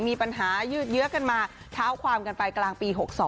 มีปัญหายืดเยอะกันมาเท้าความกันไปกลางปี๖๒